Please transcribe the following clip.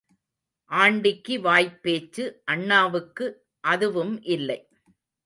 ஆண்டிக்கு வாய்ப் பேச்சு அண்ணாவுக்கு அதுவும் இல்லை.